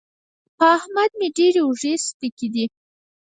په احمد مې ډېرې اوږې سپکې دي.